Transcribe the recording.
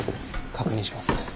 確認します。